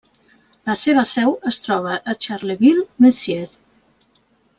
La seva seu es troba a Charleville-Mézières.